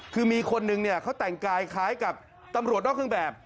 คือมีคนนึงเนี่ยเขาแต่งกายคล้ายกับตำรวจนอกเครื่องแบบ